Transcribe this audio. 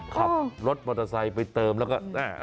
ขับรถมอเตอร์ไซค์ไปเติมแล้วก็